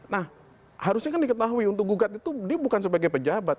nah harusnya kan diketahui untuk gugat itu dia bukan sebagai pejabat